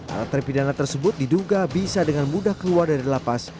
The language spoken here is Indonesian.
alat terpidana tersebut diduga bisa dengan mudah keluar dari lapas